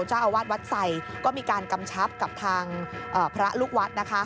เจ้าอาวาสวัดไสก็มีการกำชับกับทางพระลูกวัดนะคะ